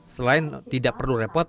selain tidak perlu repot